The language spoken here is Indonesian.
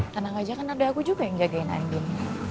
tenang aja kan ada aku juga yang jagain andin